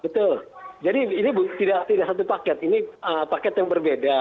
betul jadi ini tidak satu paket ini paket yang berbeda